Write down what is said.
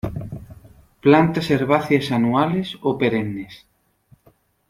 Plantas herbáceas anuales o perennes.